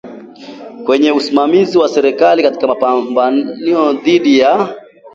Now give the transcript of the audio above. kwenye usimamizi wa serikali katika mapambano dhidi ya